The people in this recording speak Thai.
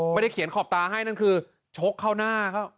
ไม่ได้เขียนขอบตาให้นั่นคือชกเข้าหน้าเขา